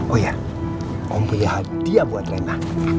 oh iya om punya hadiah buat rena